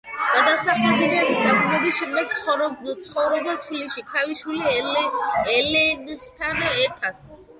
გადასახლებიდან დაბრუნების შემდეგ ცხოვრობდა თბილისში, ქალიშვილ ელენესთან ერთად.